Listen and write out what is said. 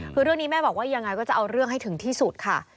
คือเรื่องนี้แม่บอกว่ายังไงก็จะเอาเรื่องให้ถึงที่สุดค่ะ